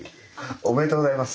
おめでとうございます。